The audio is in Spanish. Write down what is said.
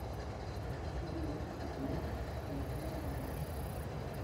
Es una medalla circular, realizada en bronce.